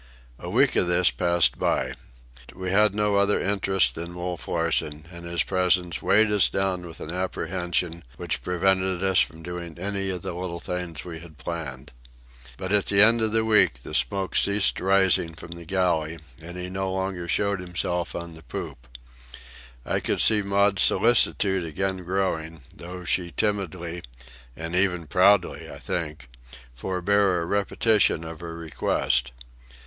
A week of this passed by. We had no other interest than Wolf Larsen, and his presence weighed us down with an apprehension which prevented us from doing any of the little things we had planned. But at the end of the week the smoke ceased rising from the galley, and he no longer showed himself on the poop. I could see Maud's solicitude again growing, though she timidly—and even proudly, I think—forbore a repetition of her request.